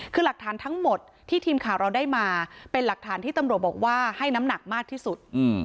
คือหลักฐานทั้งหมดที่ทีมข่าวเราได้มาเป็นหลักฐานที่ตำรวจบอกว่าให้น้ำหนักมากที่สุด